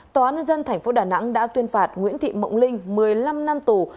tòa án nhân dân tp đà nẵng đã tuyên phạt nguyễn thị mộng linh một mươi năm năm tù